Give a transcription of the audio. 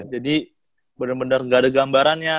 jadi bener bener gak ada gambarannya